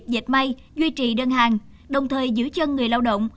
doanh nghiệp dịch may duy trì đơn hàng đồng thời giữ chân người lao động